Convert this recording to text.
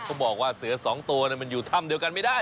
เขาบอกว่าเสือสองตัวมันอยู่ถ้ำเดียวกันไม่ได้